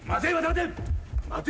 待て。